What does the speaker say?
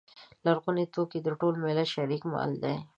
لرغوني توکي د ټول ملت شریک مال دی.